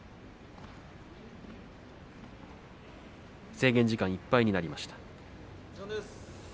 制限時間がいっぱいになりました。